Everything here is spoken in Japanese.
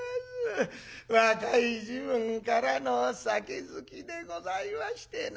若い時分からの酒好きでございましてな